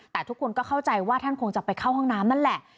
แต่ทุกคนก็เข้าใจว่าท่านคงจะไปเข้าห้องน้ำนั่นแหละ